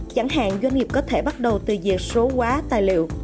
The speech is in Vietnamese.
chẳng hạn doanh nghiệp có thể bắt đầu từ việc số hóa tài liệu